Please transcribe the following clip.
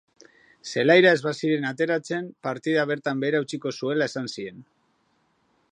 Zelaira ez baziren ateratzen, partida bertan behera utziko zuela esan zien.